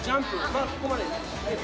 まあここまで。